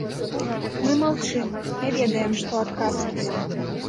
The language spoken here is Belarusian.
Мы маўчым, не ведаем, што адказваць.